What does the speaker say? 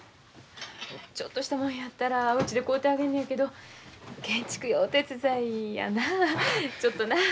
ちょっとしたもんやったらうちで買うてあげんねんけど建築用鉄材やなあちょっとなあ。